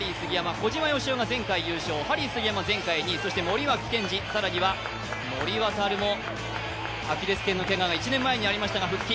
小島よしおが前回優勝、ハリー杉山、前回２位、森脇健児、更には森渉もアキレスけんのけがが１年前にありましたが復帰。